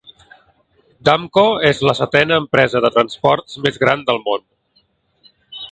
Damco és la setena empresa de transports més gran del món.